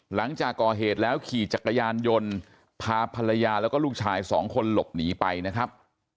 หลังจากก่อเหตุแล้วขี่จักรยานยนต์พาภรรยาแล้วก็ลูกชายสองคนหลบหนีไปนะครับ